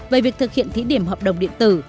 về việc thực hiện thí điểm hợp đồng điện tử